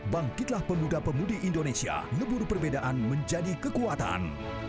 bangkitlah pemuda pemudi indonesia ngeburu perbedaan menjadi kekuatan